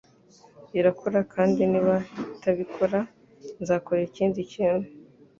irakora, kandi niba itabikora, nzakora ikindi kintu.